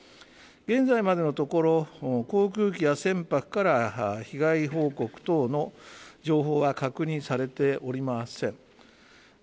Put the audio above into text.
現在までのところ航空機や船舶から被害報告等の情報は確認されておりません。